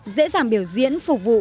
dễ dàng biểu diễn phục vụ